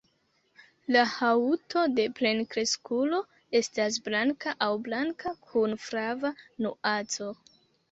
La haŭto de plenkreskulo estas blanka aŭ blanka kun flava nuanco.